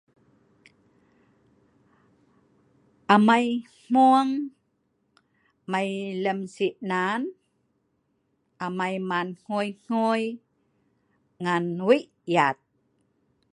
Amai hmueng mai lem si nan, amai maan nguei-nguei ngan wet yat